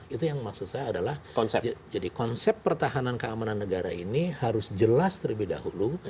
itu yang maksud saya adalah konsep pertahanan keamanan negara ini harus jelas terlebih dahulu